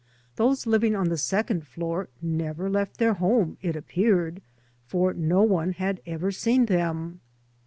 Those living on the second floor never left their home, tt appeared, for no one had ever seen them.